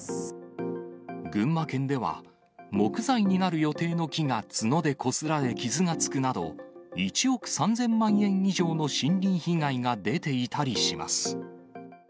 群馬県では、木材になる予定の木が角でこすられ傷がつくなど、１億３０００万円以上の森林被害が出ていたりします。